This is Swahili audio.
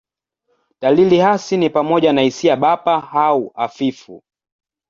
Dalili hasi ni pamoja na hisia bapa au hafifu.